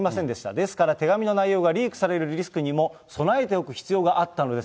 ですから手紙の内容がリークされる可能性にも備えておく必要があったのです。